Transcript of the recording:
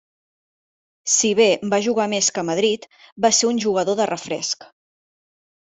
Si bé va jugar més que a Madrid, va ser un jugador de refresc.